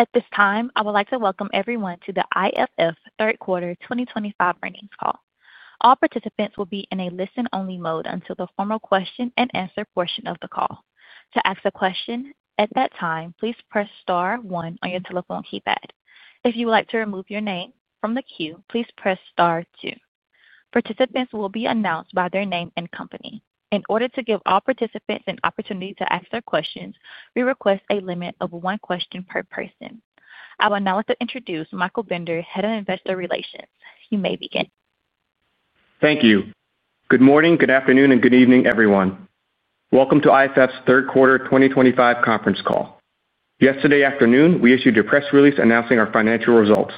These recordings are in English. At this time, I would like to welcome everyone to the IFF third quarter 2025 earnings call. All participants will be in a listen-only mode until the formal question-and-answer portion of the call. To ask a question at that time, please press star one on your telephone keypad. If you would like to remove your name from the queue, please press star two. Participants will be announced by their name and company. In order to give all participants an opportunity to ask their questions, we request a limit of one question per person. I would now like to introduce Michael Bender, Head of Investor Relations. You may begin. Thank you. Good morning, good afternoon, and good evening, everyone. Welcome to IFF's third quarter 2025 conference call. Yesterday afternoon, we issued a press release announcing our financial results.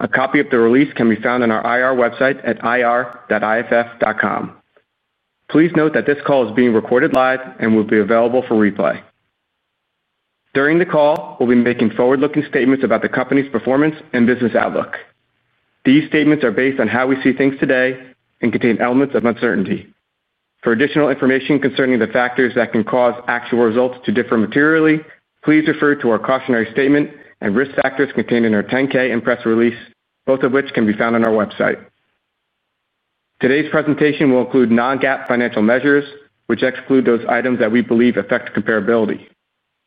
A copy of the release can be found on our IR website at ir.iff.com. Please note that this call is being recorded live and will be available for replay. During the call, we'll be making forward-looking statements about the company's performance and business outlook. These statements are based on how we see things today and contain elements of uncertainty. For additional information concerning the factors that can cause actual results to differ materially, please refer to our cautionary statement and risk factors contained in our 10-K and press release, both of which can be found on our website. Today's presentation will include non-GAAP financial measures, which exclude those items that we believe affect comparability.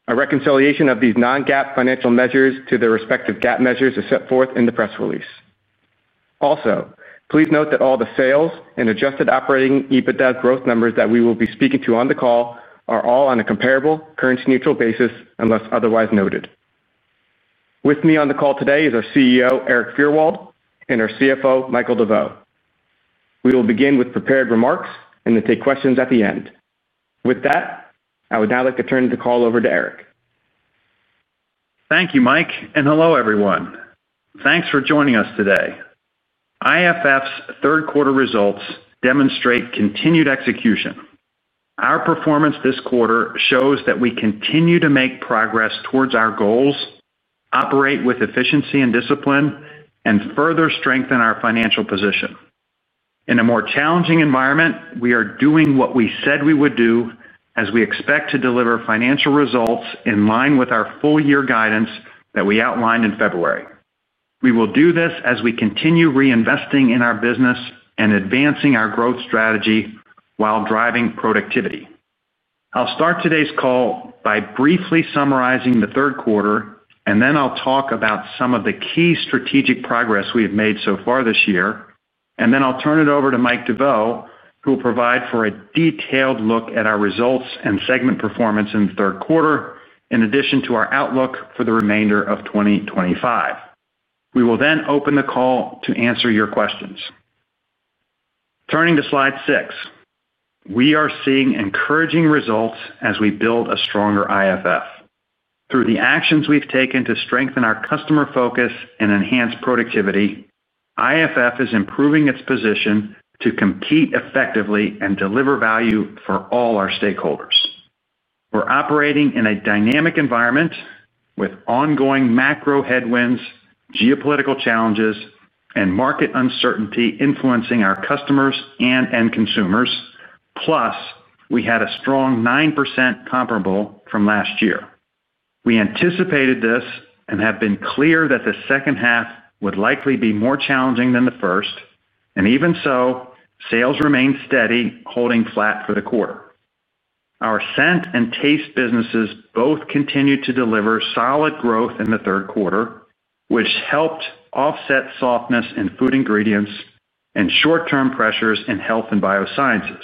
A reconciliation of these non-GAAP financial measures to their respective GAAP measures is set forth in the press release. Also, please note that all the sales and adjusted operating EBITDA growth numbers that we will be speaking to on the call are all on a comparable, currency-neutral basis unless otherwise noted. With me on the call today is our CEO, Erik Fyrwald, and our CFO, Michael DeVeau. We will begin with prepared remarks and then take questions at the end. With that, I would now like to turn the call over to Erik. Thank you, Mike, and hello, everyone. Thanks for joining us today. IFF's third quarter results demonstrate continued execution. Our performance this quarter shows that we continue to make progress towards our goals, operate with efficiency and discipline, and further strengthen our financial position. In a more challenging environment, we are doing what we said we would do as we expect to deliver financial results in line with our full-year guidance that we outlined in February. We will do this as we continue reinvesting in our business and advancing our growth strategy while driving productivity. I'll start today's call by briefly summarizing the third quarter, and then I'll talk about some of the key strategic progress we have made so far this year. I will turn it over to Mike DeVeau, who will provide a detailed look at our results and segment performance in the third quarter, in addition to our outlook for the remainder of 2025. We will then open the call to answer your questions. Turning to slide six, we are seeing encouraging results as we build a stronger IFF. Through the actions we have taken to strengthen our customer focus and enhance productivity, IFF is improving its position to compete effectively and deliver value for all our stakeholders. We are operating in a dynamic environment with ongoing macro headwinds, geopolitical challenges, and market uncertainty influencing our customers and end consumers. Plus, we had a strong 9% comparable from last year. We anticipated this and have been clear that the second half would likely be more challenging than the first. Even so, sales remained steady, holding flat for the quarter. Our scent and taste businesses both continued to deliver solid growth in the third quarter, which helped offset softness in food ingredients and short-term pressures in health and biosciences.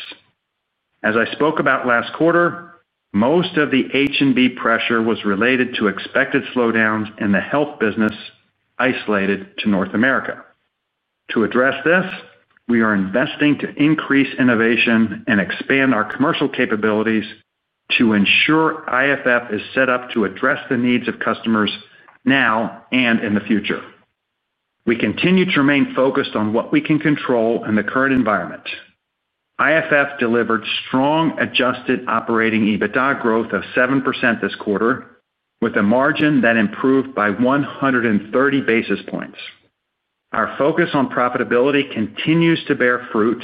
As I spoke about last quarter, most of the H&B pressure was related to expected slowdowns in the health business, isolated to North America. To address this, we are investing to increase innovation and expand our commercial capabilities to ensure IFF is set up to address the needs of customers now and in the future. We continue to remain focused on what we can control in the current environment. IFF delivered strong adjusted operating EBITDA growth of 7% this quarter, with a margin that improved by 130 basis points. Our focus on profitability continues to bear fruit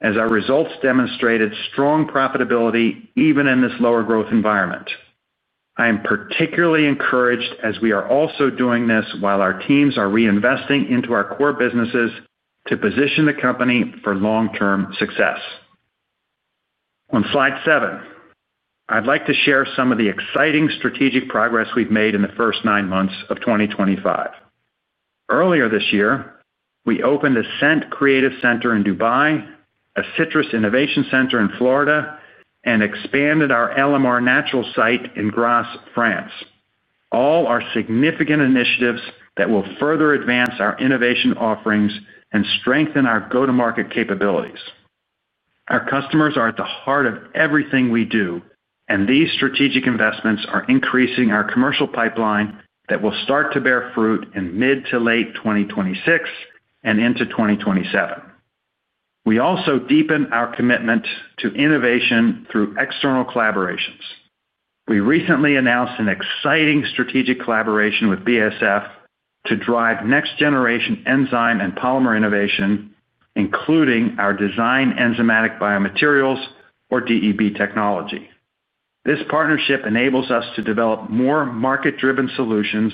as our results demonstrated strong profitability even in this lower growth environment. I am particularly encouraged as we are also doing this while our teams are reinvesting into our core businesses to position the company for long-term success. On slide seven, I'd like to share some of the exciting strategic progress we've made in the first nine months of 2025. Earlier this year, we opened a scent creative center in Dubai, a citrus innovation center in Florida, and expanded our LMR naturals site in Grasse, France. All are significant initiatives that will further advance our innovation offerings and strengthen our go-to-market capabilities. Our customers are at the heart of everything we do, and these strategic investments are increasing our commercial pipeline that will start to bear fruit in mid to late 2026 and into 2027. We also deepened our commitment to innovation through external collaborations. We recently announced an exciting strategic collaboration with BASF to drive next-generation enzyme and polymer innovation, including our designed enzymatic biomaterials, or DEB technology. This partnership enables us to develop more market-driven solutions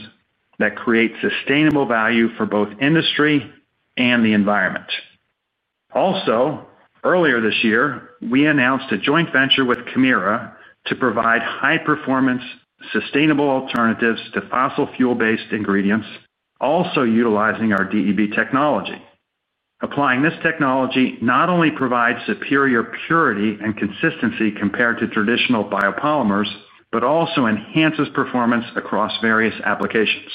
that create sustainable value for both industry and the environment. Also, earlier this year, we announced a joint venture with Kemira to provide high-performance, sustainable alternatives to fossil fuel-based ingredients, also utilizing our DEB technology. Applying this technology not only provides superior purity and consistency compared to traditional biopolymers, but also enhances performance across various applications.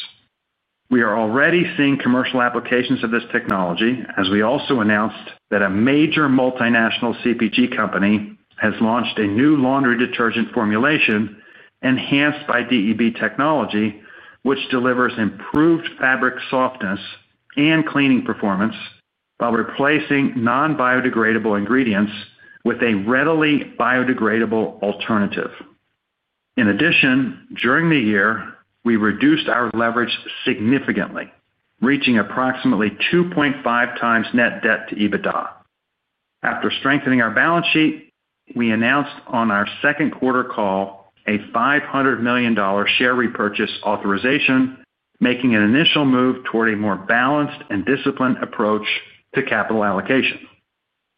We are already seeing commercial applications of this technology, as we also announced that a major multinational CPG company has launched a new laundry detergent formulation enhanced by DEB technology, which delivers improved fabric softness and cleaning performance while replacing non-biodegradable ingredients with a readily biodegradable alternative. In addition, during the year, we reduced our leverage significantly, reaching approximately 2.5 times net debt to EBITDA. After strengthening our balance sheet, we announced on our second quarter call a $500 million share repurchase authorization, making an initial move toward a more balanced and disciplined approach to capital allocation.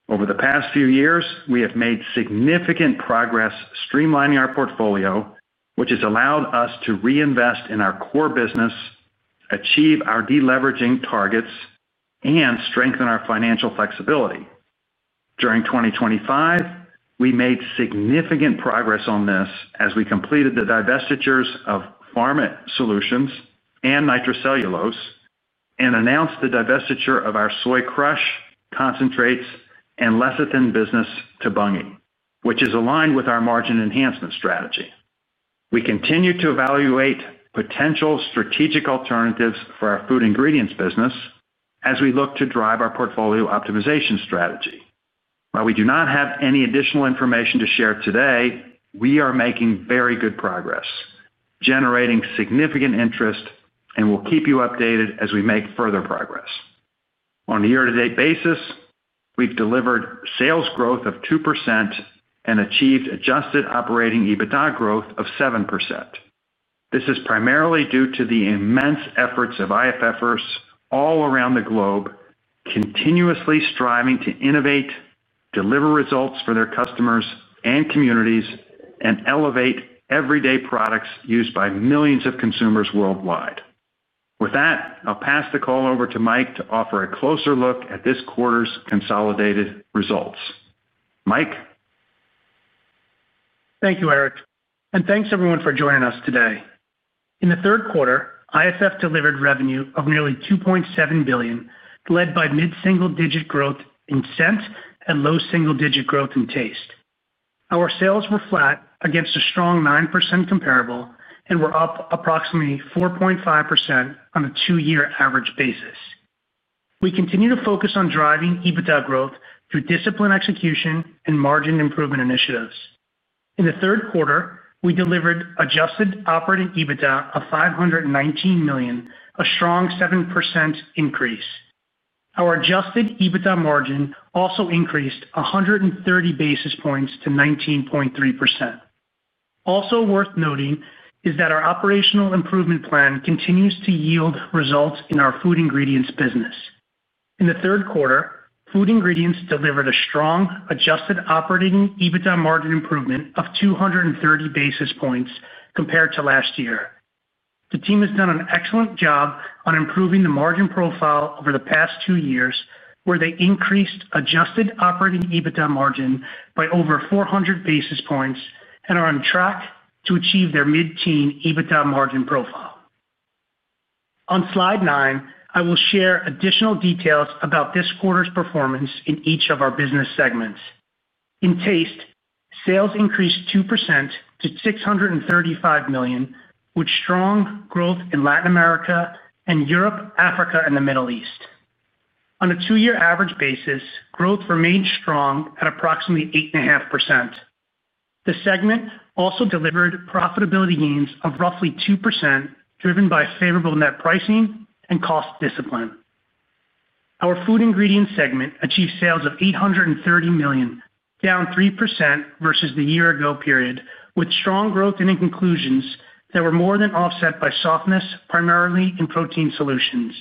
Over the past few years, we have made significant progress streamlining our portfolio, which has allowed us to reinvest in our core business, achieve our deleveraging targets, and strengthen our financial flexibility. During 2025, we made significant progress on this as we completed the divestitures of Pharma Solutions and Nitrocellulose and announced the divestiture of our soy crush concentrates and lecithin business to Bunge, which is aligned with our margin enhancement strategy. We continue to evaluate potential strategic alternatives for our food ingredients business as we look to drive our portfolio optimization strategy. While we do not have any additional information to share today, we are making very good progress. Generating significant interest, and we'll keep you updated as we make further progress. On a year-to-date basis, we've delivered sales growth of 2% and achieved adjusted operating EBITDA growth of 7%. This is primarily due to the immense efforts of IFFers all around the globe, continuously striving to innovate, deliver results for their customers and communities, and elevate everyday products used by millions of consumers worldwide. With that, I'll pass the call over to Mike to offer a closer look at this quarter's consolidated results. Mike. Thank you, Erik. Thank you, everyone, for joining us today. In the third quarter, IFF delivered revenue of nearly $2.7 billion, led by mid-single-digit growth in scent and low-single-digit growth in taste. Our sales were flat against a strong 9% comparable and were up approximately 4.5% on a two-year average basis. We continue to focus on driving EBITDA growth through disciplined execution and margin improvement initiatives. In the third quarter, we delivered adjusted operating EBITDA of $519 million, a strong 7% increase. Our adjusted EBITDA margin also increased 130 basis points to 19.3%. Also worth noting is that our operational improvement plan continues to yield results in our food ingredients business. In the third quarter, food ingredients delivered a strong adjusted operating EBITDA margin improvement of 230 basis points compared to last year. The team has done an excellent job on improving the margin profile over the past two years, where they increased adjusted operating EBITDA margin by over 400 basis points and are on track to achieve their mid-teen EBITDA margin profile. On slide nine, I will share additional details about this quarter's performance in each of our business segments. In taste, sales increased 2% to $635 million, with strong growth in Latin America and Europe, Africa, and the Middle East. On a two-year average basis, growth remained strong at approximately 8.5%. The segment also delivered profitability gains of roughly 2%, driven by favorable net pricing and cost discipline. Our food ingredients segment achieved sales of $830 million, down 3% versus the year-ago period, with strong growth in inclusions that were more than offset by softness, primarily in protein solutions.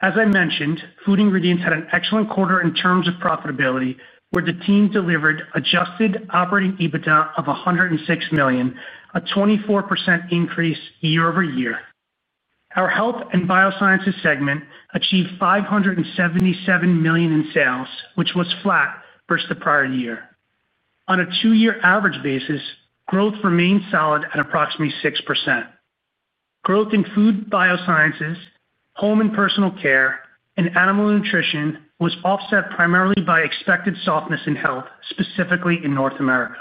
As I mentioned, food ingredients had an excellent quarter in terms of profitability, where the team delivered adjusted operating EBITDA of $106 million, a 24% increase year-over-year. Our health and biosciences segment achieved $577 million in sales, which was flat versus the prior year. On a two-year average basis, growth remained solid at approximately 6%. Growth in food biosciences, home and personal care, and animal nutrition was offset primarily by expected softness in health, specifically in North America.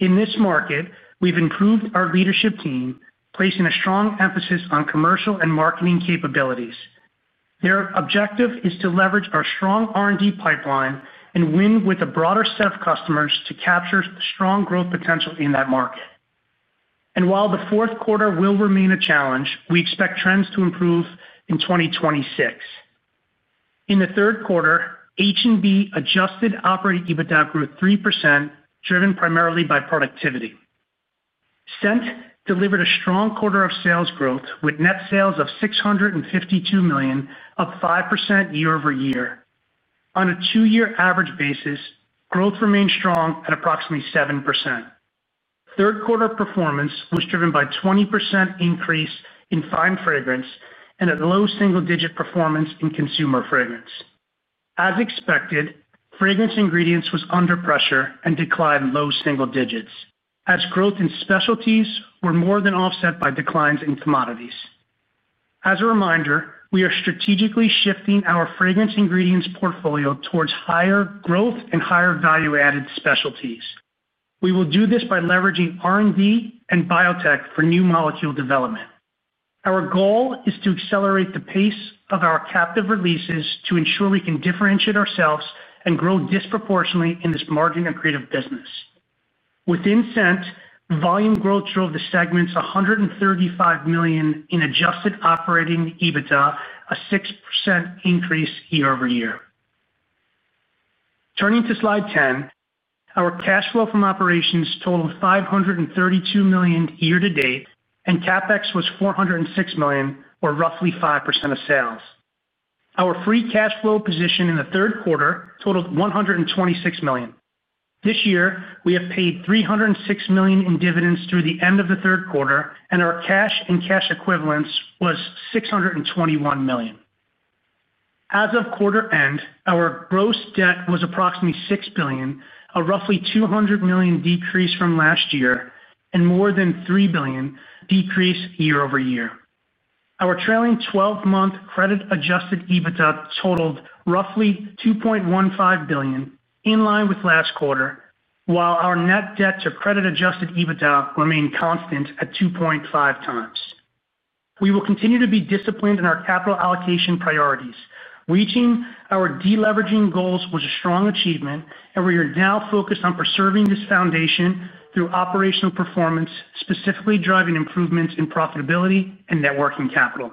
In this market, we've improved our leadership team, placing a strong emphasis on commercial and marketing capabilities. Their objective is to leverage our strong R&D pipeline and win with a broader set of customers to capture strong growth potential in that market. While the fourth quarter will remain a challenge, we expect trends to improve in 2026. In the third quarter, H&B adjusted operating EBITDA grew 3%, driven primarily by productivity. Scent delivered a strong quarter of sales growth, with net sales of $652 million, up 5% year-over-year. On a two-year average basis, growth remained strong at approximately 7%. Third quarter performance was driven by a 20% increase in fine fragrance and a low single-digit performance in consumer fragrance. As expected, fragrance ingredients were under pressure and declined low single digits, as growth in specialties was more than offset by declines in commodities. As a reminder, we are strategically shifting our fragrance ingredients portfolio towards higher growth and higher value-added specialties. We will do this by leveraging R&D and biotech for new molecule development. Our goal is to accelerate the pace of our captive releases to ensure we can differentiate ourselves and grow disproportionately in this margin and creative business. Within scent, volume growth drove the segment's $135 million in adjusted operating EBITDA, a 6% increase year-over-year. Turning to slide 10, our cash flow from operations totaled $532 million year-to-date, and CapEx was $406 million, or roughly 5% of sales. Our free cash flow position in the third quarter totaled $126 million. This year, we have paid $306 million in dividends through the end of the third quarter, and our cash and cash equivalents were $621 million. As of quarter end, our gross debt was approximately $6 billion, a roughly $200 million decrease from last year, and more than $3 billion decrease year-over-year. Our trailing 12-month credit-adjusted EBITDA totaled roughly $2.15 billion, in line with last quarter, while our net debt to credit-adjusted EBITDA remained constant at 2.5 times. We will continue to be disciplined in our capital allocation priorities. Reaching our deleveraging goals was a strong achievement, and we are now focused on preserving this foundation through operational performance, specifically driving improvements in profitability and networking capital.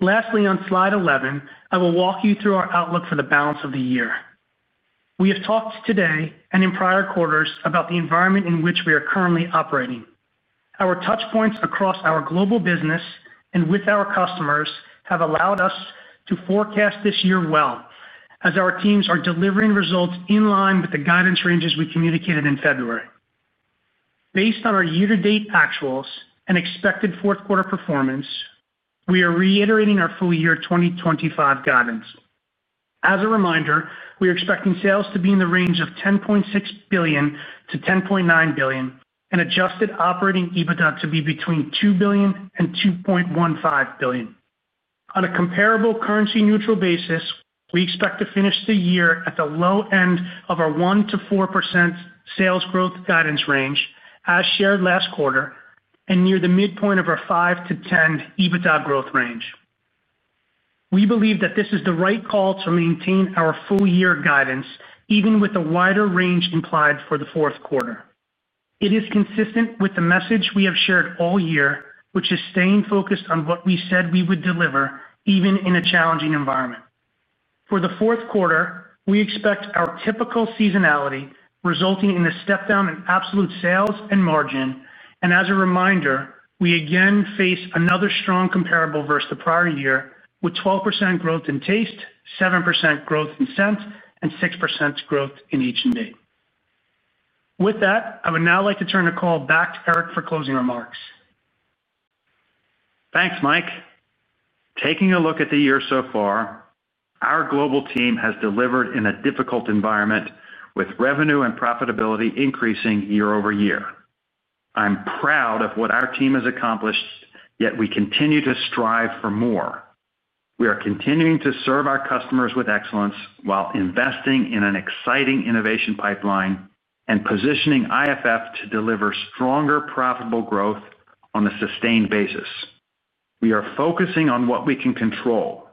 Lastly, on slide 11, I will walk you through our outlook for the balance of the year. We have talked today and in prior quarters about the environment in which we are currently operating. Our touchpoints across our global business and with our customers have allowed us to forecast this year well, as our teams are delivering results in line with the guidance ranges we communicated in February. Based on our year-to-date actuals and expected fourth-quarter performance, we are reiterating our full year 2025 guidance. As a reminder, we are expecting sales to be in the range of $10.6 billion-$10.9 billion, and adjusted operating EBITDA to be between $2 billion and $2.15 billion. On a comparable, currency-neutral basis, we expect to finish the year at the low end of our 1%-4% sales growth guidance range, as shared last quarter, and near the midpoint of our 5%-10% EBITDA growth range. We believe that this is the right call to maintain our full-year guidance, even with a wider range implied for the fourth quarter. It is consistent with the message we have shared all year, which is staying focused on what we said we would deliver, even in a challenging environment. For the fourth quarter, we expect our typical seasonality, resulting in a step down in absolute sales and margin. As a reminder, we again face another strong comparable versus the prior year, with 12% growth in taste, 7% growth in scent, and 6% growth in each and be. With that, I would now like to turn the call back to Erik for closing remarks. Thanks, Mike. Taking a look at the year so far, our global team has delivered in a difficult environment, with revenue and profitability increasing year-over-year. I'm proud of what our team has accomplished, yet we continue to strive for more. We are continuing to serve our customers with excellence while investing in an exciting innovation pipeline and positioning IFF to deliver stronger profitable growth on a sustained basis. We are focusing on what we can control.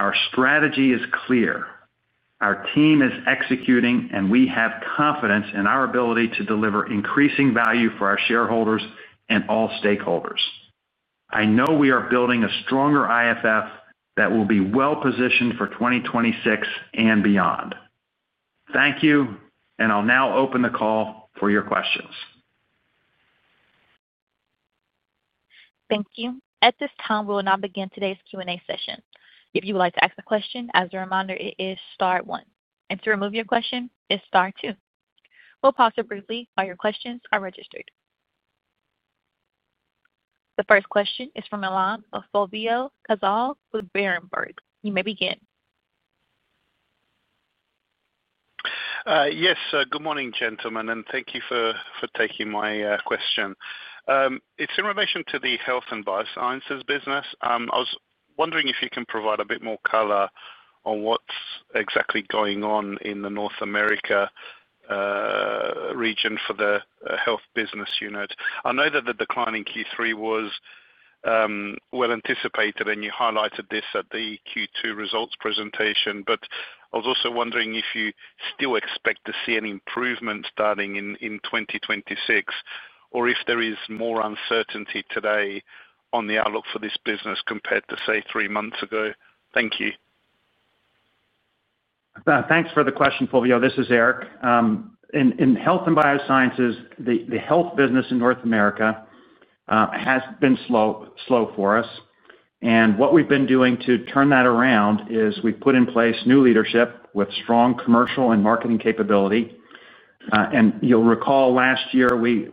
Our strategy is clear. Our team is executing, and we have confidence in our ability to deliver increasing value for our shareholders and all stakeholders. I know we are building a stronger IFF that will be well-positioned for 2026 and beyond. Thank you, and I'll now open the call for your questions. Thank you. At this time, we will now begin today's Q&A session. If you would like to ask a question, as a reminder, it is star one. To remove your question, it is star two. We'll pause briefly while your questions are registered. The first question is from Fulvio Cazzol with Berenburg. You may begin. Yes. Good morning, gentlemen, and thank you for taking my question. It's in relation to the health and biosciences business. I was wondering if you can provide a bit more color on what's exactly going on in the North America region for the health business unit. I know that the decline in Q3 was well anticipated, and you highlighted this at the Q2 results presentation. I was also wondering if you still expect to see any improvement starting in 2026, or if there is more uncertainty today on the outlook for this business compared to, say, three months ago. Thank you. Thanks for the question, Fulvio. This is Erik. In health and biosciences, the health business in North America has been slow for us. What we've been doing to turn that around is we've put in place new leadership with strong commercial and marketing capability. You'll recall last year, we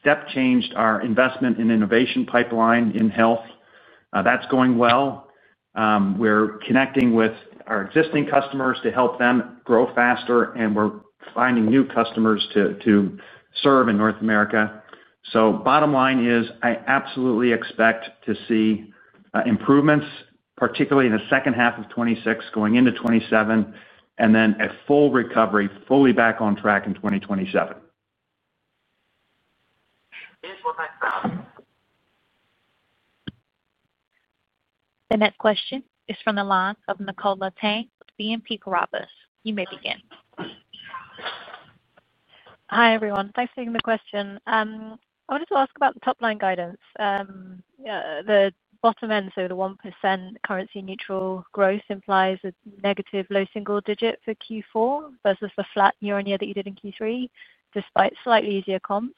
step-changed our investment and innovation pipeline in health. That's going well. We're connecting with our existing customers to help them grow faster, and we're finding new customers to serve in North America. Bottom line is I absolutely expect to see improvements, particularly in the second half of 2026, going into 2027, and then a full recovery, fully back on track in 2027. The next question is from the line of Nicola Tang with BNP Paribas. You may begin. Hi, everyone. Thanks for taking the question. I wanted to ask about the top-line guidance. The bottom end, so the 1% currency-neutral growth implies a negative low single digit for Q4 versus the flat year-on-year that you did in Q3, despite slightly easier comps.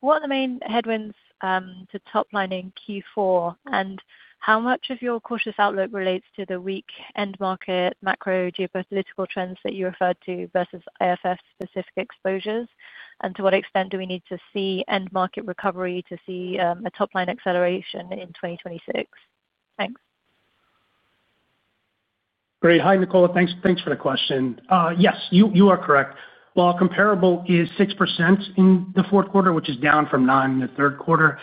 What are the main headwinds to top-lining Q4, and how much of your cautious outlook relates to the weak end-market macro geopolitical trends that you referred to versus IFF-specific exposures? To what extent do we need to see end-market recovery to see a top-line acceleration in 2026? Thanks. Great. Hi, Nicola. Thanks for the question. Yes, you are correct. While comparable is 6% in the fourth quarter, which is down from 9% in the third quarter,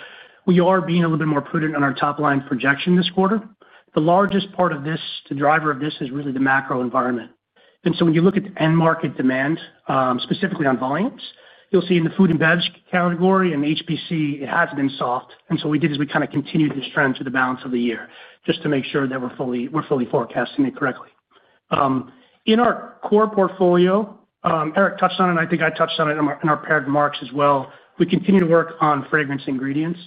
we are being a little bit more prudent on our top-line projection this quarter. The largest part of this, the driver of this, is really the macro environment. When you look at end-market demand, specifically on volumes, you'll see in the food and beverage category and HPC, it has been soft. What we did is we kind of continued this trend through the balance of the year, just to make sure that we're fully forecasting it correctly. In our core portfolio, Erik touched on it, and I think I touched on it in our paired remarks as well. We continue to work on fragrance ingredients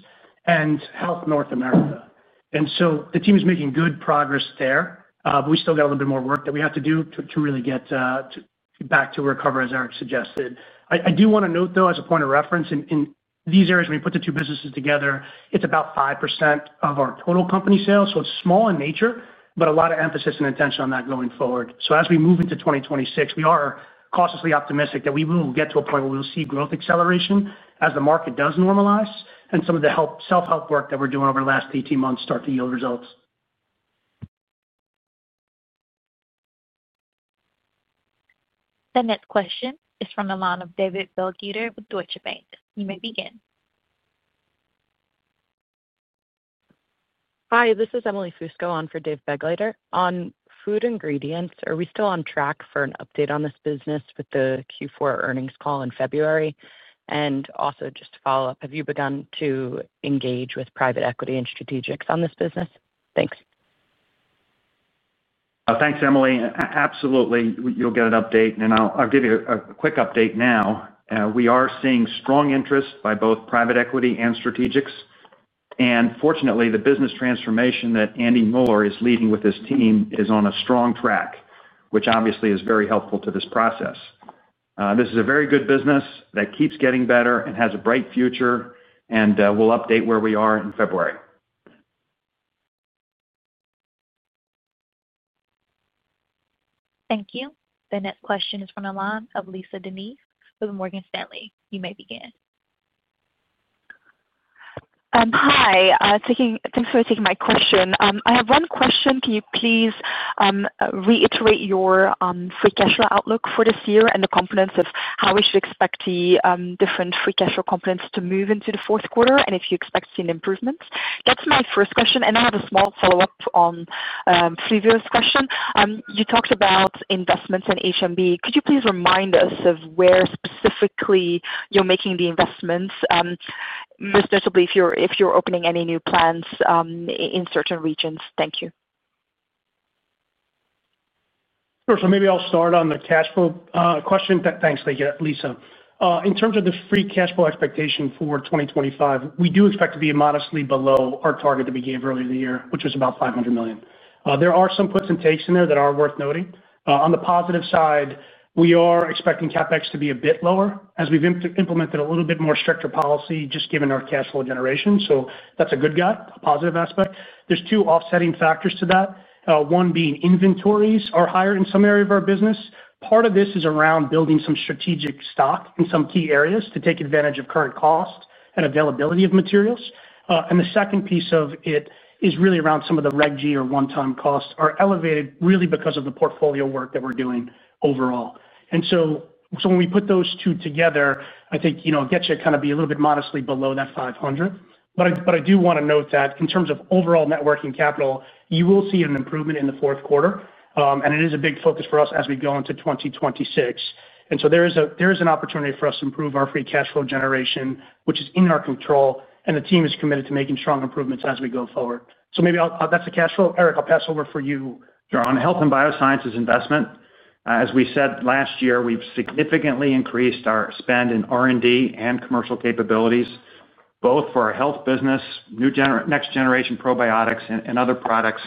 and health North America. The team is making good progress there, but we still got a little bit more work that we have to do to really get back to recover, as Erik suggested. I do want to note, though, as a point of reference, in these areas, when you put the two businesses together, it is about 5% of our total company sales. It is small in nature, but a lot of emphasis and attention on that going forward. As we move into 2026, we are cautiously optimistic that we will get to a point where we will see growth acceleration as the market does normalize and some of the self-help work that we are doing over the last 18 months starts to yield results. The next question is from the line of David Begleiter with Deutsche Bank. You may begin. Hi, this is Emily Fusco on for Dave Begleiter. On food ingredients, are we still on track for an update on this business with the Q4 earnings call in February? Also, just to follow up, have you begun to engage with private equity and strategics on this business? Thanks. Thanks, Emily. Absolutely. You'll get an update. I'll give you a quick update now. We are seeing strong interest by both private equity and strategics. Fortunately, the business transformation that Andy Muller is leading with his team is on a strong track, which obviously is very helpful to this process. This is a very good business that keeps getting better and has a bright future, and we'll update where we are in February. Thank you. The next question is from the line of Lisa De Neve with Morgan Stanley. You may begin. Hi. Thanks for taking my question. I have one question. Can you please reiterate your free cash flow outlook for this year and the components of how we should expect the different free cash flow components to move into the fourth quarter and if you expect to see an improvement? That's my first question. I have a small follow-up on Fulvio's question. You talked about investments in HMB. Could you please remind us of where specifically you're making the investments, most notably, if you're opening any new plants in certain regions? Thank you. Sure. Maybe I'll start on the cash flow question. Thanks, Lisa. In terms of the free cash flow expectation for 2025, we do expect to be modestly below our target that we gave earlier in the year, which was about $500 million. There are some puts and takes in there that are worth noting. On the positive side, we are expecting CapEx to be a bit lower as we've implemented a little bit more stricter policy, just given our cash flow generation. That's a good guy, a positive aspect. There are two offsetting factors to that. One being inventories are higher in some area of our business. Part of this is around building some strategic stock in some key areas to take advantage of current cost and availability of materials. The second piece of it is really around some of the Reg G or one-time costs are elevated, really, because of the portfolio work that we're doing overall. When we put those two together, I think it gets you to kind of be a little bit modestly below that $500. I do want to note that in terms of overall networking capital, you will see an improvement in the fourth quarter. It is a big focus for us as we go into 2026. There is an opportunity for us to improve our free cash flow generation, which is in our control, and the team is committed to making strong improvements as we go forward. Maybe that's the cash flow. Erik, I'll pass over for you to. On health and biosciences investment. As we said last year, we've significantly increased our spend in R&D and commercial capabilities, both for our health business, next-generation probiotics, and other products,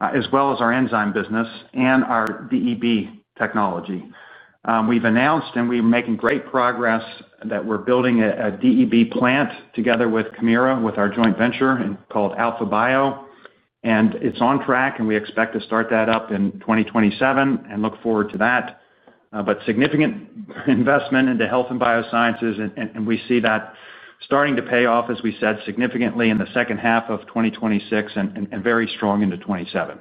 as well as our enzyme business and our DEB technology. We've announced and we're making great progress that we're building a DEB plant together with Kemira, with our joint venture called Alpha Bio. It is on track, and we expect to start that up in 2027 and look forward to that. Significant investment into health and biosciences, and we see that starting to pay off, as we said, significantly in the second half of 2026 and very strong into 2027.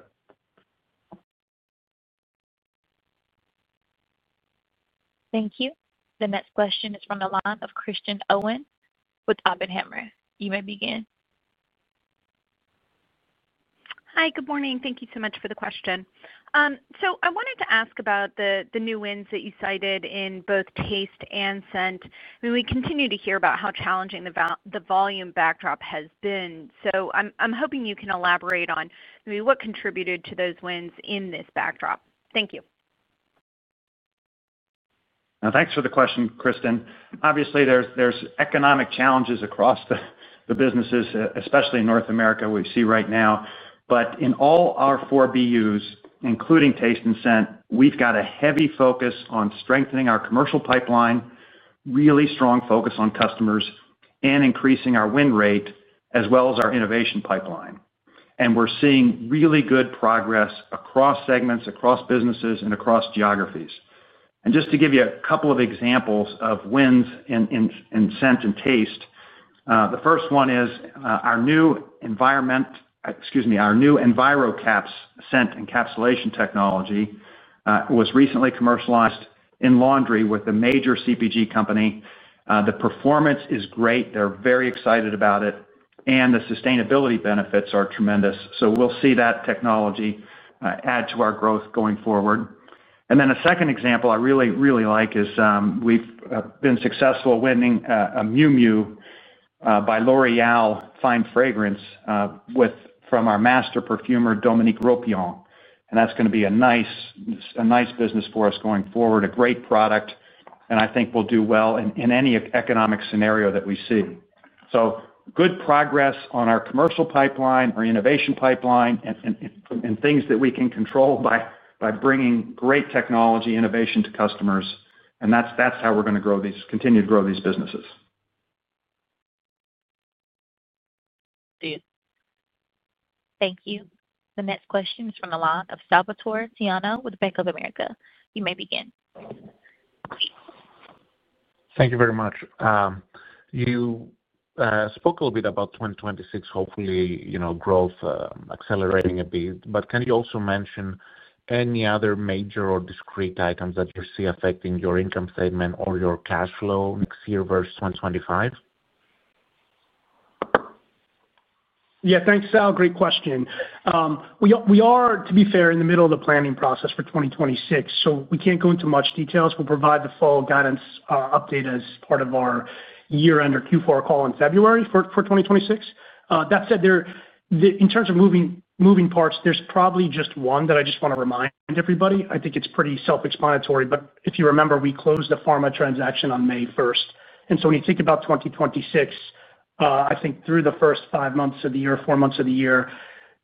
Thank you. The next question is from the line of Kristen Owen with Oppenheimer. You may begin. Hi, good morning. Thank you so much for the question. I wanted to ask about the new wins that you cited in both taste and scent. I mean, we continue to hear about how challenging the volume backdrop has been. I am hoping you can elaborate on maybe what contributed to those wins in this backdrop. Thank you. Thanks for the question, Kristin. Obviously, there's economic challenges across the businesses, especially in North America, we see right now. In all our four BUs, including taste and scent, we've got a heavy focus on strengthening our commercial pipeline, really strong focus on customers, and increasing our win rate, as well as our innovation pipeline. We're seeing really good progress across segments, across businesses, and across geographies. Just to give you a couple of examples of wins in scent and taste, the first one is our new, excuse me, our new ENVIROCAP scent encapsulation technology was recently commercialized in laundry with a major CPG company. The performance is great. They're very excited about it. The sustainability benefits are tremendous. We'll see that technology add to our growth going forward. A second example I really, really like is we've been successful winning a Miu Miu by L'Oréal fine fragrance from our master perfumer, Dominique Ropion. That's going to be a nice business for us going forward, a great product. I think we'll do well in any economic scenario that we see. Good progress on our commercial pipeline, our innovation pipeline, and things that we can control by bringing great technology innovation to customers. That's how we're going to continue to grow these businesses. Thank you. The next question is from the line of Salvator Tiano with Bank of America. You may begin. Thank you very much. You spoke a little bit about 2026, hopefully growth accelerating a bit. Can you also mention any other major or discrete items that you see affecting your income statement or your cash flow next year versus 2025? Yeah, thanks, Sal. Great question. We are, to be fair, in the middle of the planning process for 2026. So we can't go into much details. We'll provide the full guidance update as part of our year-end or Q4 call in February for 2026. That said. In terms of moving parts, there's probably just one that I just want to remind everybody. I think it's pretty self-explanatory. But if you remember, we closed the pharma transaction on May 1st. And so when you think about 2026. I think through the first five months of the year, four months of the year,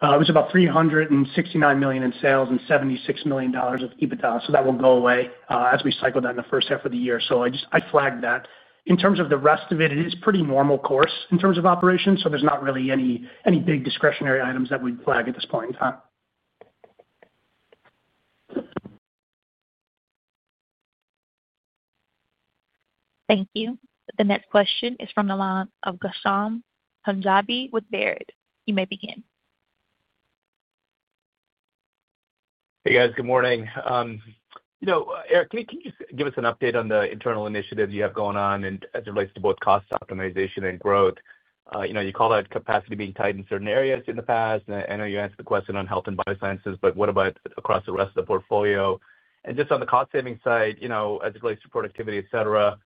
it was about $369 million in sales and $76 million of EBITDA. So that will go away as we cycle down the first half of the year. So I flagged that. In terms of the rest of it, it is pretty normal course in terms of operations. There's not really any big discretionary items that we'd flag at this point in time. Thank you. The next question is from the line of Ghansham Panjabi with Baird. You may begin. Hey, guys. Good morning. Erik, can you give us an update on the internal initiatives you have going on as it relates to both cost optimization and growth? You called out capacity being tightened in certain areas in the past. I know you answered the question on health and biosciences, but what about across the rest of the portfolio? Just on the cost-saving side, as it relates to productivity, etc.,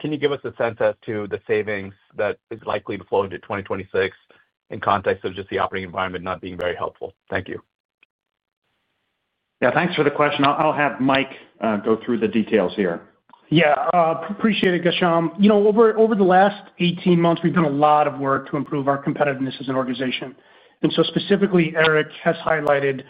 can you give us a sense as to the savings that is likely to flow into 2026 in context of just the operating environment not being very helpful? Thank you. Yeah, thanks for the question. I'll have Mike go through the details here. Yeah. Appreciate it, Ghansham. Over the last 18 months, we've done a lot of work to improve our competitiveness as an organization. Specifically, Erik has highlighted,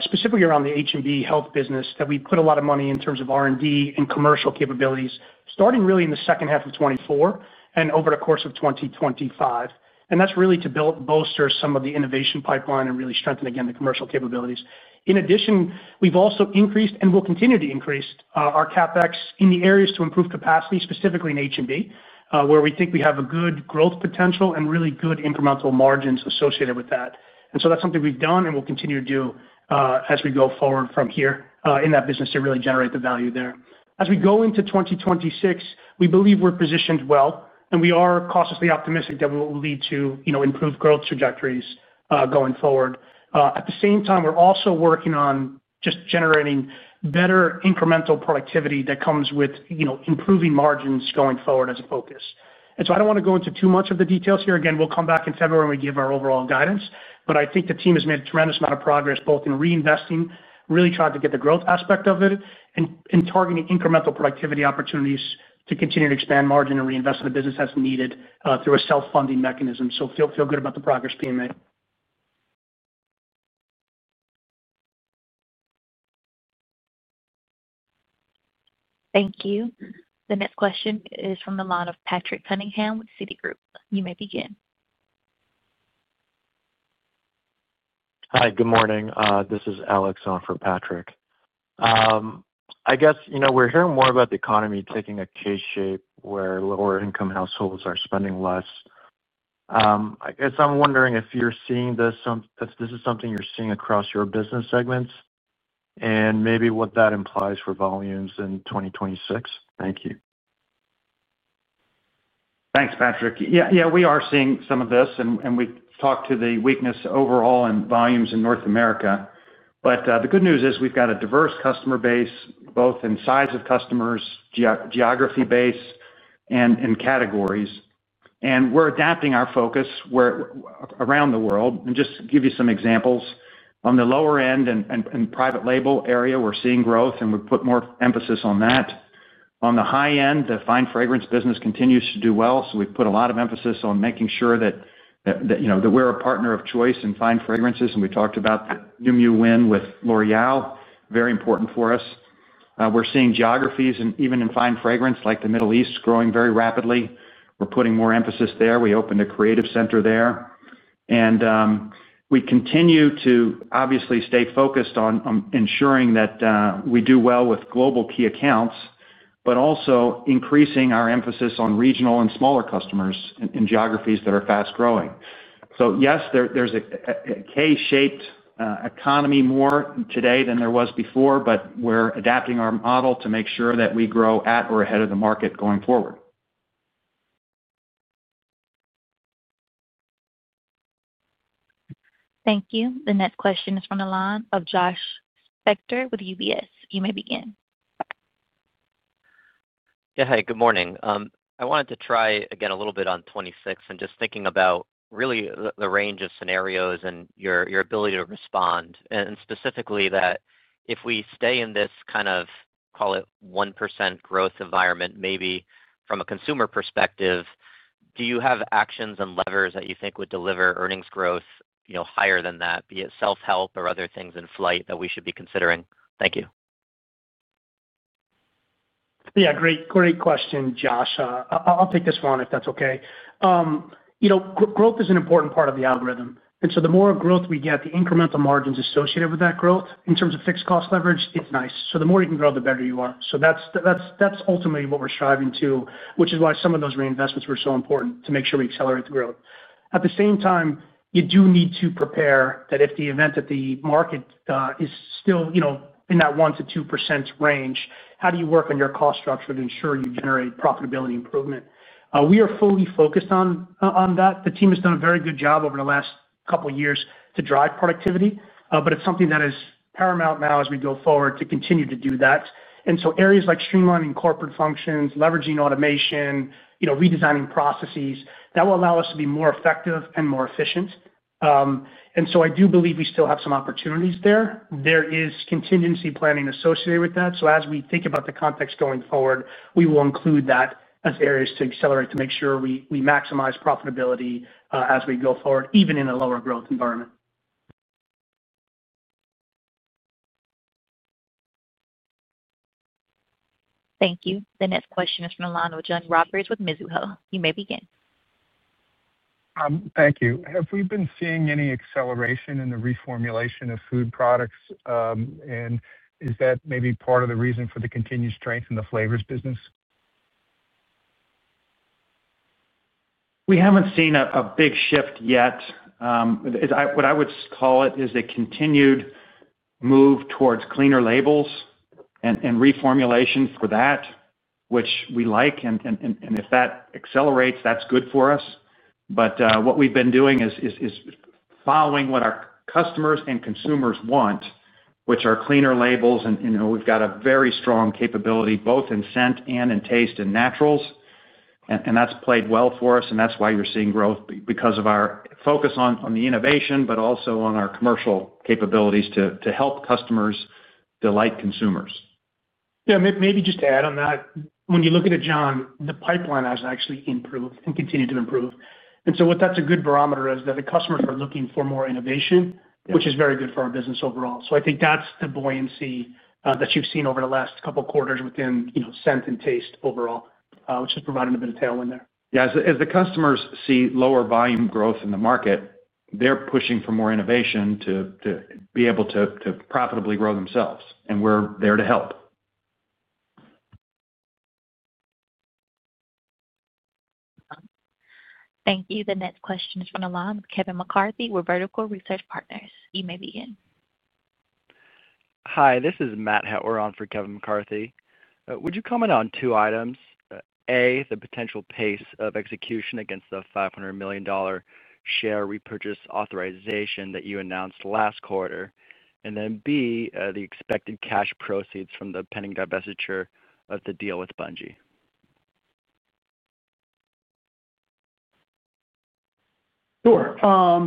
specifically around the HMB health business, that we put a lot of money in terms of R&D and commercial capabilities, starting really in the second half of 2024 and over the course of 2025. That's really to bolster some of the innovation pipeline and really strengthen, again, the commercial capabilities. In addition, we've also increased and will continue to increase our CapEx in the areas to improve capacity, specifically in HMB, where we think we have good growth potential and really good incremental margins associated with that. That's something we've done and will continue to do as we go forward from here in that business to really generate the value there. As we go into 2026, we believe we're positioned well. We are cautiously optimistic that we will lead to improved growth trajectories going forward. At the same time, we're also working on just generating better incremental productivity that comes with improving margins going forward as a focus. I don't want to go into too much of the details here. Again, we'll come back in February and we give our overall guidance. I think the team has made a tremendous amount of progress, both in reinvesting, really trying to get the growth aspect of it, and targeting incremental productivity opportunities to continue to expand margin and reinvest in the business as needed through a self-funding mechanism. Feel good about the progress being made. Thank you. The next question is from the line of Patrick Cunningham with Citigroup. You may begin. Hi, good morning. This is Alex on for Patrick. I guess we're hearing more about the economy taking a K-shape where lower-income households are spending less. I guess I'm wondering if you're seeing this as something you're seeing across your business segments. And maybe what that implies for volumes in 2026. Thank you. Thanks, Patrick. Yeah, we are seeing some of this. We have talked to the weakness overall in volumes in North America. The good news is we have got a diverse customer base, both in size of customers, geography base, and in categories. We are adapting our focus around the world. Just to give you some examples, on the lower end and private label area, we are seeing growth, and we have put more emphasis on that. On the high end, the fine fragrance business continues to do well. We have put a lot of emphasis on making sure that we are a partner of choice in fine fragrances. We talked about the Miu Miu win with L'Oréal, very important for us. We are seeing geographies, and even in fine fragrance, like the Middle East, growing very rapidly. We are putting more emphasis there. We opened a creative center there. We continue to obviously stay focused on ensuring that we do well with global key accounts, but also increasing our emphasis on regional and smaller customers in geographies that are fast-growing. Yes, there is a K-shaped economy more today than there was before, but we are adapting our model to make sure that we grow at or ahead of the market going forward. Thank you. The next question is from the line of Josh Spector with UBS. You may begin. Yeah, hi, good morning. I wanted to try again a little bit on '26 and just thinking about really the range of scenarios and your ability to respond. Specifically, that if we stay in this kind of, call it, 1% growth environment, maybe from a consumer perspective, do you have actions and levers that you think would deliver earnings growth higher than that, be it self-help or other things in flight that we should be considering? Thank you. Yeah, great question, Josh. I'll take this one if that's okay. Growth is an important part of the algorithm. The more growth we get, the incremental margins associated with that growth, in terms of fixed cost leverage, it's nice. The more you can grow, the better you are. That's ultimately what we're striving to, which is why some of those reinvestments were so important to make sure we accelerate the growth. At the same time, you do need to prepare that if the event that the market is still in that 1%-2% range, how do you work on your cost structure to ensure you generate profitability improvement? We are fully focused on that. The team has done a very good job over the last couple of years to drive productivity. It is something that is paramount now as we go forward to continue to do that. Areas like streamlining corporate functions, leveraging automation, redesigning processes, that will allow us to be more effective and more efficient. I do believe we still have some opportunities there. There is contingency planning associated with that. As we think about the context going forward, we will include that as areas to accelerate to make sure we maximize profitability as we go forward, even in a lower growth environment. Thank you. The next question is from the line of John Roberts with Mizuho. You may begin. Thank you. Have we been seeing any acceleration in the reformulation of food products? Is that maybe part of the reason for the continued strength in the flavors business? We haven't seen a big shift yet. What I would call it is a continued move towards cleaner labels and reformulation for that, which we like. If that accelerates, that's good for us. What we've been doing is following what our customers and consumers want, which are cleaner labels. We've got a very strong capability, both in scent and in taste and naturals. That's played well for us. That's why you're seeing growth, because of our focus on the innovation, but also on our commercial capabilities to help customers delight consumers. Yeah, maybe just to add on that, when you look at it, John, the pipeline has actually improved and continued to improve. What that's a good barometer is that the customers are looking for more innovation, which is very good for our business overall. I think that's the buoyancy that you've seen over the last couple of quarters within scent and taste overall, which has provided a bit of tailwind there. Yeah, as the customers see lower volume growth in the market, they're pushing for more innovation to be able to profitably grow themselves. We're there to help. Thank you. The next question is from the line of Kevin McCarthy with Vertical Research Partners. You may begin. Hi, this is Matt Hettwer on for Kevin McCarthy. Would you comment on two items? A, the potential pace of execution against the $500 million share repurchase authorization that you announced last quarter. B, the expected cash proceeds from the pending divestiture of the deal with Bunge. Sure.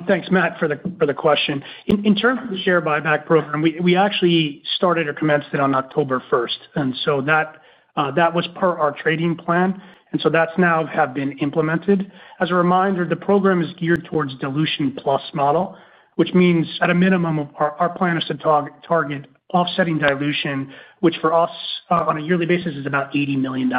Thanks, Matt, for the question. In terms of the share buyback program, we actually started or commenced it on October 1. That was part of our trading plan. That is now been implemented. As a reminder, the program is geared towards dilution plus model, which means at a minimum, our plan is to target offsetting dilution, which for us, on a yearly basis, is about $80 million.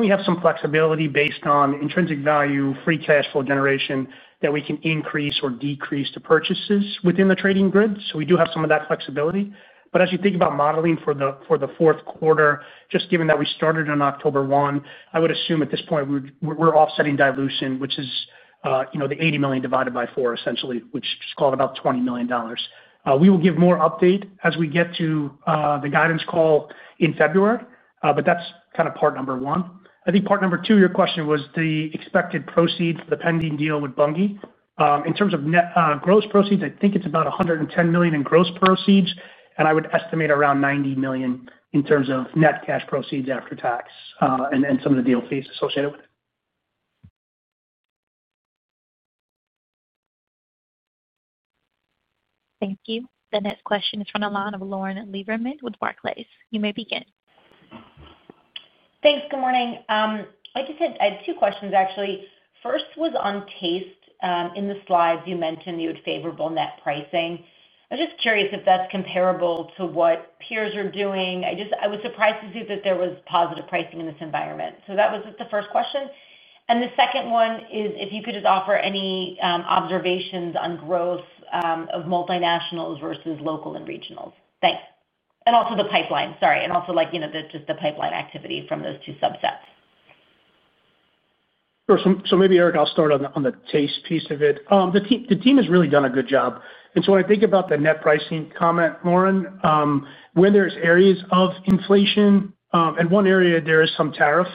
We have some flexibility based on intrinsic value, free cash flow generation that we can increase or decrease to purchases within the trading grid. We do have some of that flexibility. As you think about modeling for the fourth quarter, just given that we started on October 1, I would assume at this point we are offsetting dilution, which is the $80 million divided by four, essentially, which is called about $20 million. We will give more update as we get to the guidance call in February. That is kind of part number one. I think part number two, your question was the expected proceeds for the pending deal with Bunge. In terms of gross proceeds, I think it is about $110 million in gross proceeds. I would estimate around $90 million in terms of net cash proceeds after tax and some of the deal fees associated with it. Thank you. The next question is from the line of Lauren Lieberman with Barclays. You may begin. Thanks. Good morning. Like I said, I had two questions, actually. First was on taste. In the slides, you mentioned you had favorable net pricing. I was just curious if that's comparable to what peers are doing. I was surprised to see that there was positive pricing in this environment. That was the first question. The second one is if you could just offer any observations on growth of multinationals versus local and regionals. Thanks. Also the pipeline, sorry. Also just the pipeline activity from those two subsets. Maybe, Erik, I'll start on the taste piece of it. The team has really done a good job. When I think about the net pricing comment, Lauren, when there's areas of inflation, and one area there is some tariff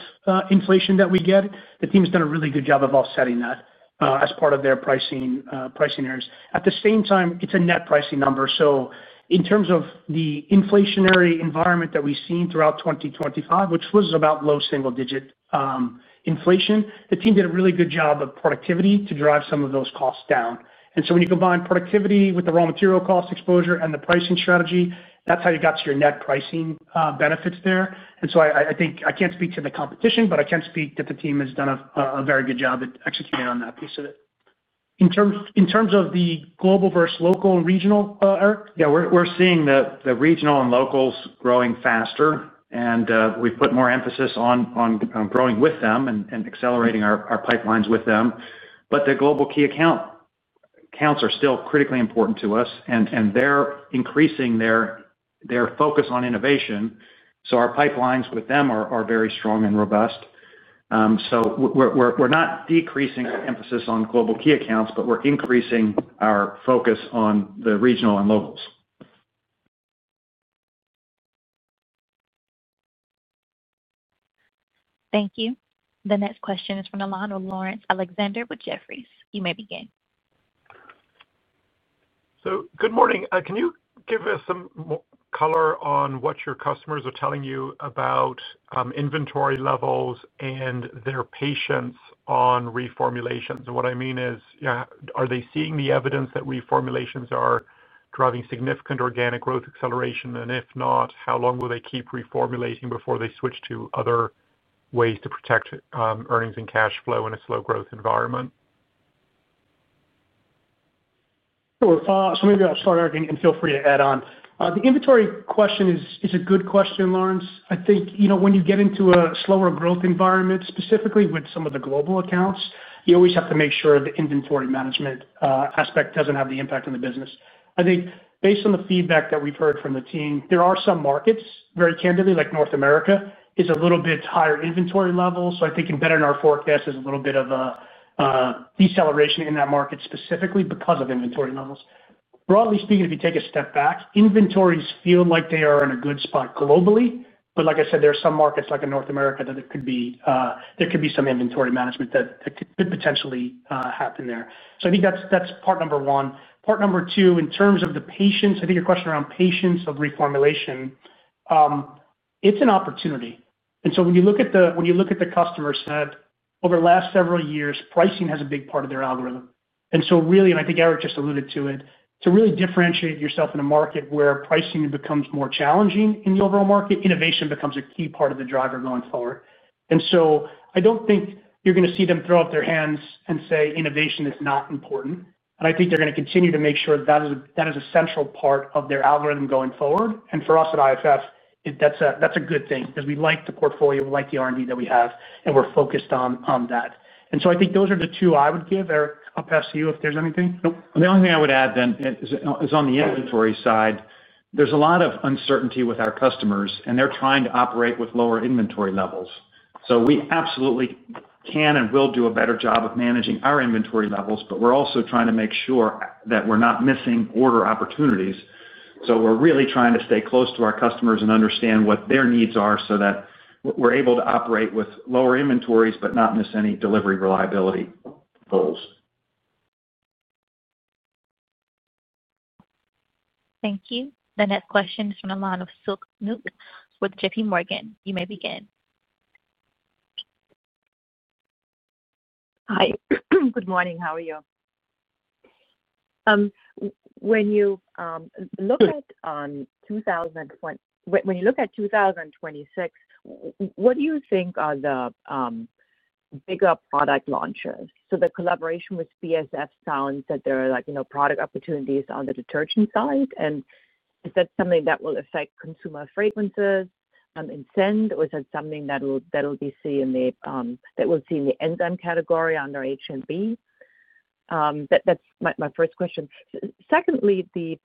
inflation that we get, the team has done a really good job of offsetting that as part of their pricing areas. At the same time, it's a net pricing number. In terms of the inflationary environment that we've seen throughout 2025, which was about low single-digit inflation, the team did a really good job of productivity to drive some of those costs down. When you combine productivity with the raw material cost exposure and the pricing strategy, that's how you got to your net pricing benefits there. I think I can't speak to the competition, but I can speak that the team has done a very good job at executing on that piece of it. In terms of the global versus local and regional, Erik? Yeah, we're seeing the regional and locals growing faster. We've put more emphasis on growing with them and accelerating our pipelines with them. The global key accounts are still critically important to us. They're increasing their focus on innovation. Our pipelines with them are very strong and robust. We're not decreasing emphasis on global key accounts, but we're increasing our focus on the regional and locals. Thank you. The next question is from the line of Laurence Alexander with Jefferies. You may begin. Good morning. Can you give us some color on what your customers are telling you about inventory levels and their patience on reformulations? What I mean is, are they seeing the evidence that reformulations are driving significant organic growth acceleration? If not, how long will they keep reformulating before they switch to other ways to protect earnings and cash flow in a slow-growth environment? Maybe I'll start, Erik, and feel free to add on. The inventory question is a good question, Lawrence. I think when you get into a slower-growth environment, specifically with some of the global accounts, you always have to make sure the inventory management aspect doesn't have the impact on the business. I think based on the feedback that we've heard from the team, there are some markets, very candidly, like North America, that have a little bit higher inventory levels. I think embedded in our forecast is a little bit of a deceleration in that market specifically because of inventory levels. Broadly speaking, if you take a step back, inventories feel like they are in a good spot globally. Like I said, there are some markets like in North America that there could be some inventory management that could potentially happen there. I think that's part number one. Part number two, in terms of the patience, I think your question around patience of reformulation. It's an opportunity. When you look at the customer set, over the last several years, pricing has a big part of their algorithm. Really, and I think Erik just alluded to it, to really differentiate yourself in a market where pricing becomes more challenging in the overall market, innovation becomes a key part of the driver going forward. I don't think you're going to see them throw up their hands and say, "Innovation is not important." I think they're going to continue to make sure that is a central part of their algorithm going forward. For us at IFF, that's a good thing because we like the portfolio, we like the R&D that we have, and we're focused on that. I think those are the two I would give. Erik, I'll pass to you if there's anything. The only thing I would add then is on the inventory side, there is a lot of uncertainty with our customers, and they are trying to operate with lower inventory levels. We absolutely can and will do a better job of managing our inventory levels, but we are also trying to make sure that we are not missing order opportunities. We are really trying to stay close to our customers and understand what their needs are so that we are able to operate with lower inventories but not miss any delivery reliability goals. Thank you. The next question is from the line of Silke Kueck with JPMorgan. You may begin. Hi. Good morning. How are you? When you look at 2026, what do you think are the bigger product launches? The collaboration with BASF sounds like there are product opportunities on the detergent side. Is that something that will affect consumer fragrances and scent, or is that something that will be seen in the enzyme category under H&B? That's my first question. Secondly, the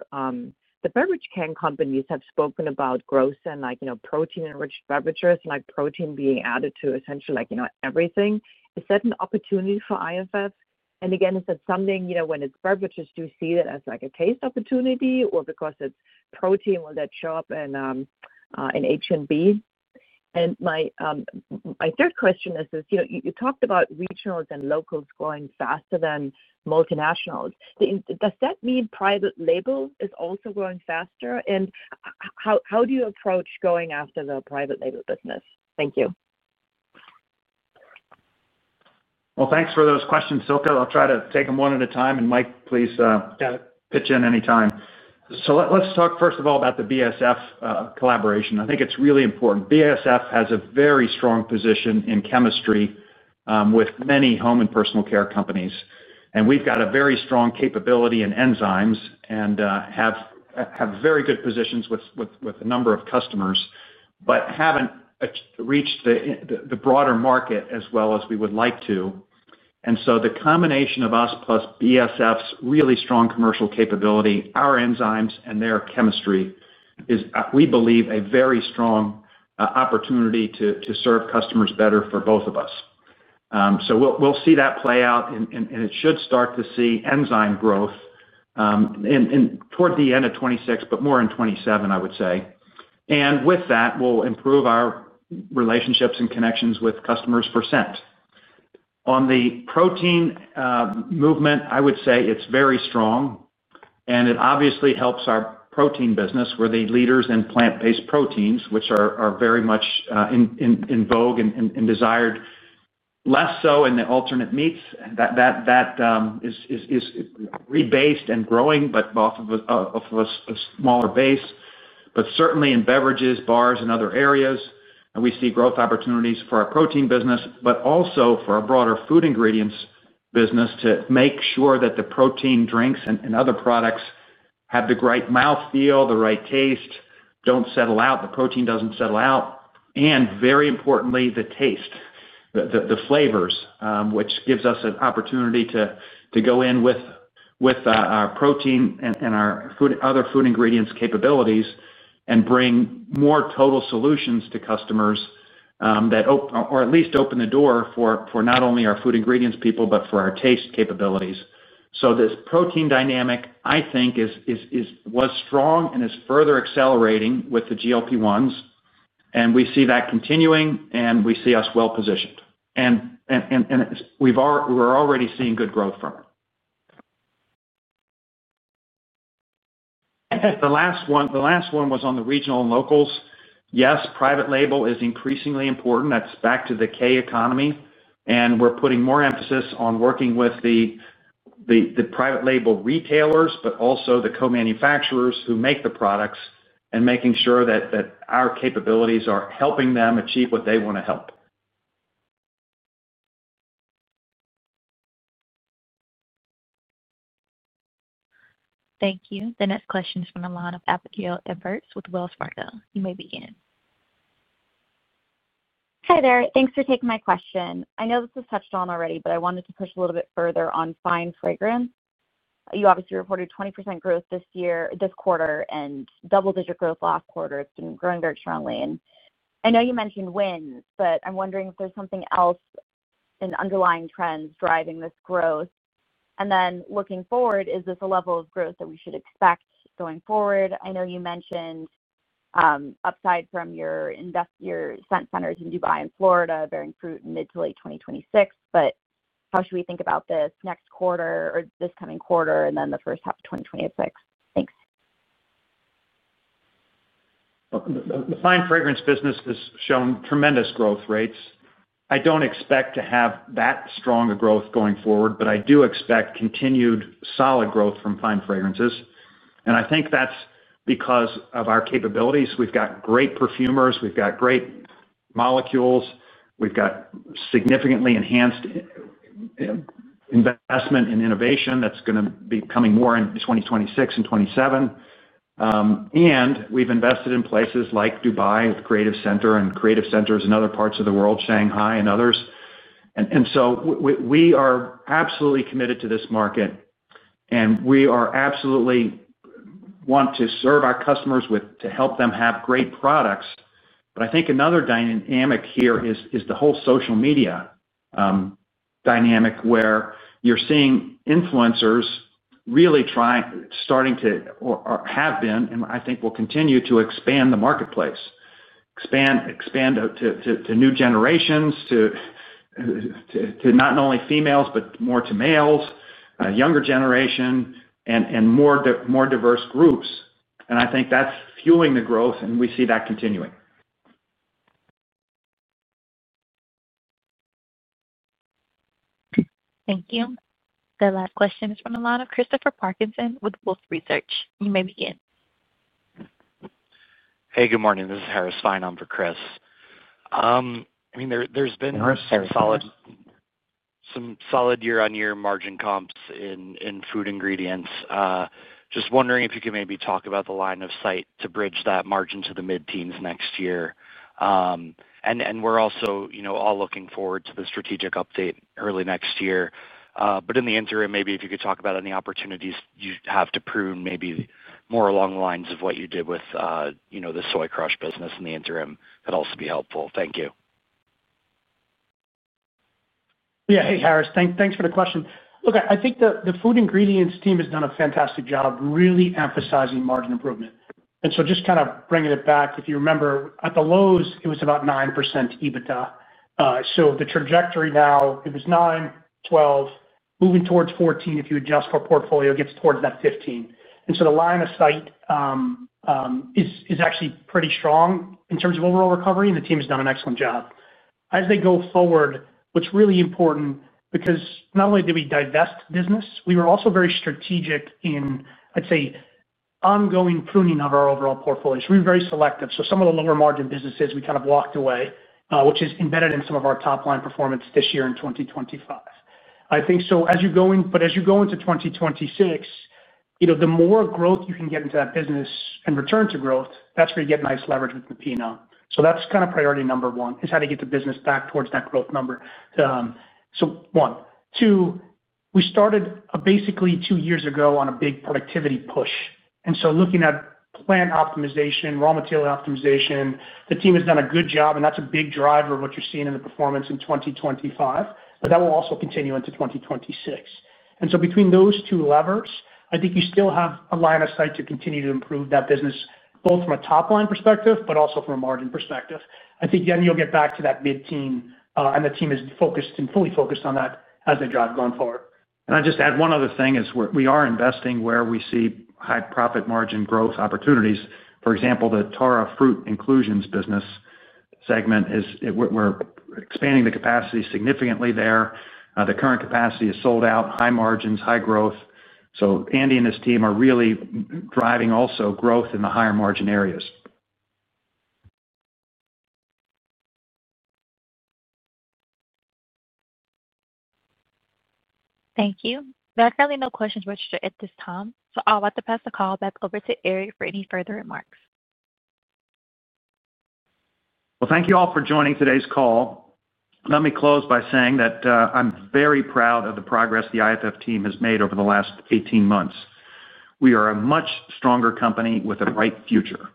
beverage can companies have spoken about growth in protein-enriched beverages, like protein being added to essentially everything. Is that an opportunity for IFF? When it's beverages, do you see that as a taste opportunity, or because it's protein, will that show up in H&B? My third question is, you talked about regionals and locals growing faster than multinationals. Does that mean private label is also growing faster? How do you approach going after the private label business? Thank you. Thanks for those questions, Silke. I'll try to take them one at a time. Mike, please pitch in any time. Let's talk first of all about the BASF collaboration. I think it's really important. BASF has a very strong position in chemistry with many home and personal care companies. We've got a very strong capability in enzymes and have very good positions with a number of customers, but haven't reached the broader market as well as we would like to. The combination of us plus BASF's really strong commercial capability, our enzymes, and their chemistry is, we believe, a very strong opportunity to serve customers better for both of us. We'll see that play out. It should start to see enzyme growth toward the end of 2026, but more in 2027, I would say. With that, we'll improve our relationships and connections with customers for scent. On the protein movement, I would say it's very strong. It obviously helps our protein business. We're the leaders in plant-based proteins, which are very much in vogue and desired. Less so in the alternate meats. That is rebased and growing, but off of a smaller base. Certainly in beverages, bars, and other areas, we see growth opportunities for our protein business, but also for our broader food ingredients business to make sure that the protein drinks and other products have the right mouthfeel, the right taste, do not settle out, the protein does not settle out, and very importantly, the taste. The flavors, which gives us an opportunity to go in with. Our protein and our other food ingredients capabilities and bring more total solutions to customers that at least open the door for not only our food ingredients people, but for our taste capabilities. This protein dynamic, I think, was strong and is further accelerating with the GLP-1s. We see that continuing, and we see us well positioned. We are already seeing good growth from it. The last one was on the regional and locals. Yes, private label is increasingly important. That is back to the K-economy. We are putting more emphasis on working with the private label retailers, but also the co-manufacturers who make the products and making sure that our capabilities are helping them achieve what they want to help. Thank you. The next question is from the line of Abigail Eberts with Wells Fargo. You may begin. Hi there. Thanks for taking my question. I know this was touched on already, but I wanted to push a little bit further on fine fragrance. You obviously reported 20% growth this quarter and double-digit growth last quarter. It's been growing very strongly. I know you mentioned wind, but I'm wondering if there's something else in underlying trends driving this growth. Looking forward, is this a level of growth that we should expect going forward? I know you mentioned upside from your scent centers in Dubai and Florida, bearing fruit mid to late 2026. How should we think about this next quarter or this coming quarter and then the first half of 2026? Thanks. The fine fragrance business has shown tremendous growth rates. I do not expect to have that strong a growth going forward, but I do expect continued solid growth from fine fragrances. I think that is because of our capabilities. We have got great perfumers. We have got great molecules. We have got significantly enhanced investment in innovation that is going to be coming more in 2026 and 2027. We have invested in places like Dubai with Creative Center and Creative Centers in other parts of the world, Shanghai and others. We are absolutely committed to this market. We absolutely want to serve our customers to help them have great products. I think another dynamic here is the whole social media dynamic where you are seeing influencers really starting to or have been, and I think will continue to expand the marketplace, expand to new generations, to. Not only females, but more to males, a younger generation, and more diverse groups. I think that's fueling the growth, and we see that continuing. Thank you. The last question is from the line of Christopher Parkinson with Wolfe Research. You may begin. Hey, good morning. This is Harris Fein. I'm for Chris. I mean, there's been some solid year-on-year margin comps in food ingredients. Just wondering if you could maybe talk about the line of sight to bridge that margin to the mid-teens next year. We're also all looking forward to the strategic update early next year. In the interim, maybe if you could talk about any opportunities you have to prune maybe more along the lines of what you did with the soy crush business in the interim could also be helpful. Thank you. Yeah. Hey, Harris. Thanks for the question. Look, I think the food ingredients team has done a fantastic job really emphasizing margin improvement. Just kind of bringing it back, if you remember, at the lows, it was about 9% EBITDA. The trajectory now, it was 9-12, moving towards 14 if you adjust for portfolio, gets towards that 15. The line of sight is actually pretty strong in terms of overall recovery, and the team has done an excellent job. As they go forward, what's really important, because not only did we divest business, we were also very strategic in, I'd say, ongoing pruning of our overall portfolio. We were very selective. Some of the lower-margin businesses, we kind of walked away, which is embedded in some of our top-line performance this year in 2025. I think so. As you go into 2026, the more growth you can get into that business and return to growth, that's where you get nice leverage with the P&L. That's kind of priority number one, is how to get the business back towards that growth number. One. Two, we started basically two years ago on a big productivity push. Looking at plant optimization, raw material optimization, the team has done a good job, and that's a big driver of what you're seeing in the performance in 2025. That will also continue into 2026. Between those two levers, I think you still have a line of sight to continue to improve that business, both from a top-line perspective, but also from a margin perspective. I think then you'll get back to that mid-teen, and the team is focused and fully focused on that as they drive going forward. I'll just add one other thing is we are investing where we see high profit margin growth opportunities. For example, the Taura Fruit Inclusions business segment, we're expanding the capacity significantly there. The current capacity is sold out, high margins, high growth. Andy and his team are really driving also growth in the higher margin areas. Thank you. There are currently no questions registered at this time. I'll let the pass the call back over to Erik for any further remarks. Thank you all for joining today's call. Let me close by saying that I'm very proud of the progress the IFF team has made over the last 18 months. We are a much stronger company with a bright future.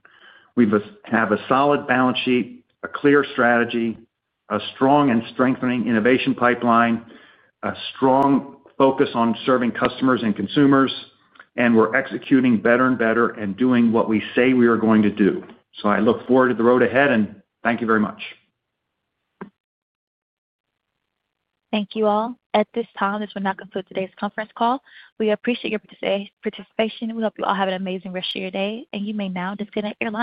We have a solid balance sheet, a clear strategy, a strong and strengthening innovation pipeline, a strong focus on serving customers and consumers, and we're executing better and better and doing what we say we are going to do. I look forward to the road ahead, and thank you very much. Thank you all. At this time, this will now conclude today's conference call. We appreciate your participation. We hope you all have an amazing rest of your day. You may now disconnect your line.